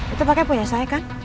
itu pakai punya saya kan